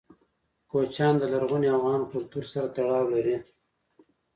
کوچیان د لرغوني افغان کلتور سره تړاو لري.